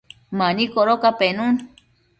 mani codoca penun